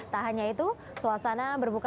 tak hanya itu suasana berbuka